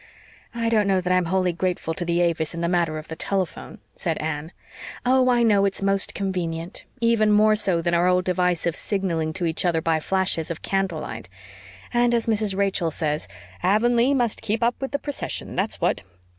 "I don't know that I'm wholly grateful to the A. V. I. S. in the matter of the telephone," said Anne. "Oh, I know it's most convenient even more so than our old device of signalling to each other by flashes of candlelight! And, as Mrs. Rachel says, 'Avonlea must keep up with the procession, that's what.'